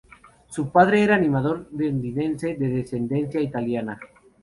Su padre era un animador londinense de descendencia italiana.